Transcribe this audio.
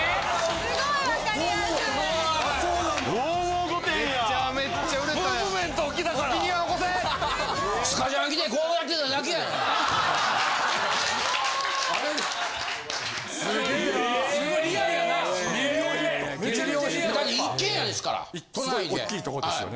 すごいおっきいとこですよね。